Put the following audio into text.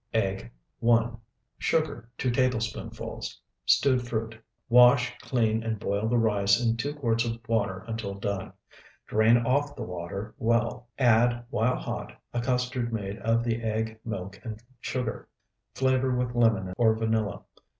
Egg, 1. Sugar, 2 tablespoonfuls. Stewed fruit. Wash clean and boil the rice in two quarts of water until done. Drain off the water well. Add, while hot, a custard made of the egg, milk, and sugar. Flavor with lemon or vanilla.